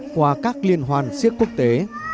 qua các liên hoàn siếc quốc tế